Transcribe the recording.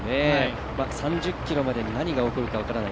３０ｋｍまで何が起こるか分からない